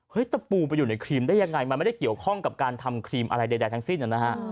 ตะปูไปอยู่ในครีมได้ยังไงมันไม่ได้เกี่ยวข้องกับการทำครีมอะไรใดทั้งสิ้นนะฮะ